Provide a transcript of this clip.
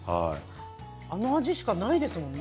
あの味しかないですもんね。